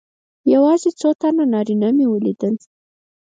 یوازې څو تنه نارینه مې ولیدل.